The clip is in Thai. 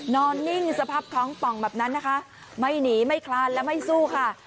นิ่งสภาพท้องป่องแบบนั้นนะคะไม่หนีไม่คลานและไม่สู้ค่ะ